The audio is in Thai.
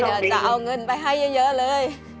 เดี๋ยวจะเอาเงินไปให้เยอะเลย